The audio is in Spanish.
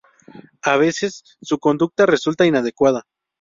A veces, su conducta resulta inadecuada.